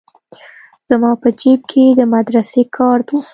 زما په جيب کښې د مدرسې کارت و.